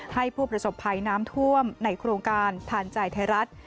ให้ผู้ประสบภัยน้ำท่วมในโครงการทานใจไทยรัฐ